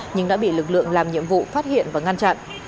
nhưng đã bị lực lượng làm nhiệm vụ phát hiện và ngăn chặn